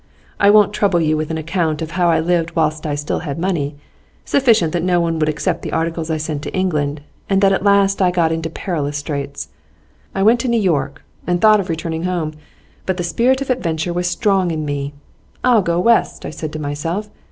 I won't trouble you with an account of how I lived whilst I still had money; sufficient that no one would accept the articles I sent to England, and that at last I got into perilous straits. I went to New York, and thought of returning home, but the spirit of adventure was strong in me. "I'll go West," I said to myself.